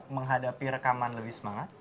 menghadapi rekaman lebih semangat